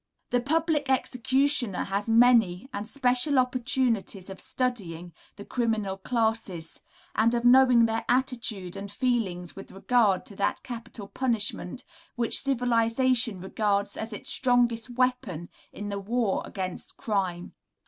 The public executioner has many and special opportunities of studying the criminal classes, and of knowing their attitude and feelings with regard to that capital punishment which civilisation regards as its strongest weapon in the war against crime.